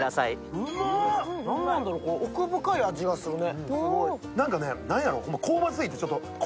何やろ、奥深い味がするね。